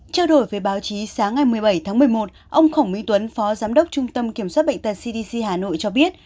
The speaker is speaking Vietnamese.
trao đổi với báo chí sáng ngày một mươi bảy tháng một mươi một ông khổng mỹ tuấn phó giám đốc trung tâm kiểm soát bệnh tật cdc hà nội cho biết